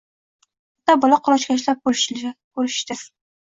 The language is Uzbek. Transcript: Ota-bola quchoqlashib ko‘rishishdi.